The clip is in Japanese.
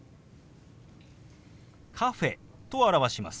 「カフェ」と表します。